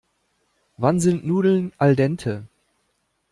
Wann sind Nudeln al dente?